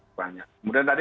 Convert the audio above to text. kemudian tadi yang dikatakan